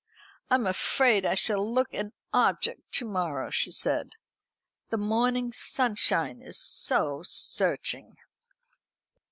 "I'm afraid I shall look an object to morrow," she said, "The morning sunshine is so searching."